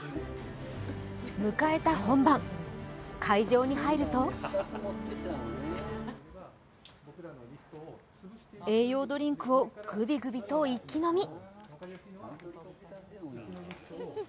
迎えた本番、会場に入ると栄養ドリンクをグビグビと一気飲み。